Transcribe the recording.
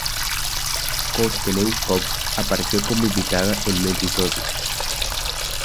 Courteney Cox apareció como invitada en un episodio.